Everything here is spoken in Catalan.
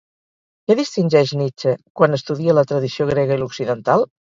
Què distingeix Nietzsche quan estudia la tradició grega i l'occidental?